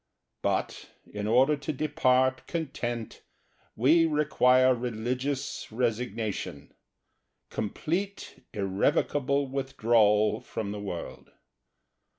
But, in order to depart content, we require religious resignation, complete irrevocable withdrawal from the world.